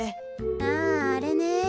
ああれね。